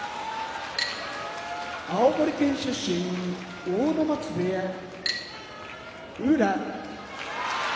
青森県出身阿武松部屋宇良